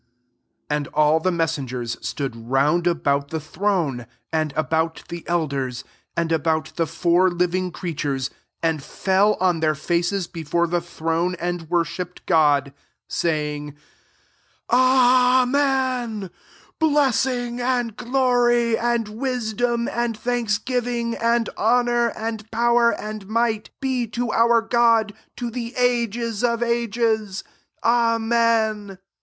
11 And all the messengers stood round about the throne, and about the eiders, and about the four living creatures, and fell on their faces before the throne, and worshipped God, 12 say ing, " Amen ; blessing, and glory, and wisdom, and thanks giving, and honour, and pow er, and might, be to our God to the ages of ages. Amen.